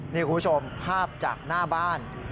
นี่คุณผู้ชมภาพจากหน้าบ้าน